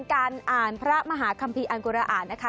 การอ่านพระมหาคัมภีร์อังกุระอ่านนะคะ